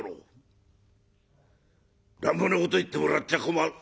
乱暴なこと言ってもらっちゃ困る」。